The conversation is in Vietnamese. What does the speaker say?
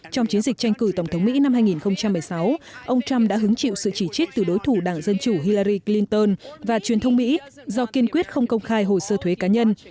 trong chiến dịch tranh cử tổng thống mỹ năm hai nghìn một mươi sáu ông trump đã hứng chịu sự chỉ trích từ đối thủ đảng dân chủ hily clinton và truyền thông mỹ do kiên quyết không công khai hồ sơ thuế cá nhân